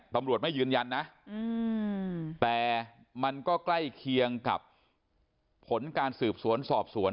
ตำรวจไม่ยืนยันนะแต่มันก็ใกล้เคียงกับผลการสืบสวนสอบสวน